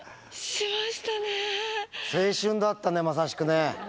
青春だったねまさしくね。